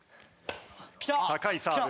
高いサーブ。